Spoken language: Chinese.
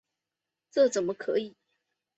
这怎么可以！